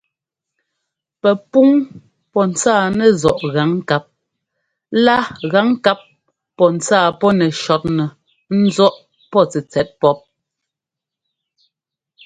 Pɛpúŋ pɔ́ ńtsáa nɛzɔ́ꞌ gaŋkáp lá gaŋkáp pɔ́ ntsáa pɔ́ nɛ shɔtnɛ ńzɔ́ꞌ pɔ́ tɛtsɛt pɔ́p.